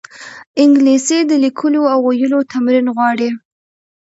انګلیسي د لیکلو او ویلو تمرین غواړي